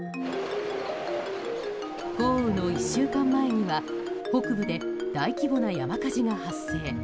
豪雨の１週間前には北部で大規模な山火事が発生。